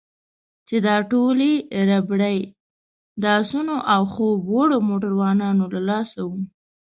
چې دا ټولې ربړې د اسونو او خوب وړو موټروانانو له لاسه وې.